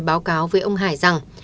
báo cáo với ông hải rằng